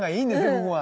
ここは。